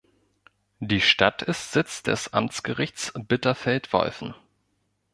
Die Stadt ist Sitz des Amtsgerichts Bitterfeld-Wolfen.